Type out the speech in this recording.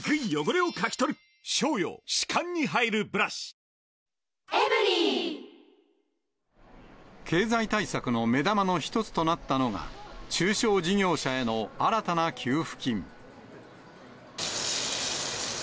この経済対策をスピード感を経済対策の目玉の一つとなったのが、中小事業者への新たな給付金。